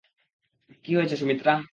কী হয়েছে, সুমিত্রা?